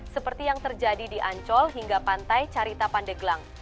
seperti yang terjadi di ancol hingga pantai carita pandeglang